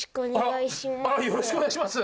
よろしくお願いします。